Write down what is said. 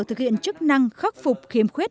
thực hiện chức năng khắc phục khiếm khuết